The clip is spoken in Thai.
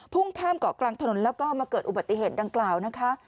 ข้ามเกาะกลางถนนแล้วก็มาเกิดอุบัติเหตุดังกล่าวนะคะ